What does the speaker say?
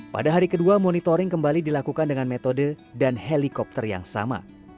pada hari kedua monitoring kembali dilakukan dengan metode dan helikopter yang sama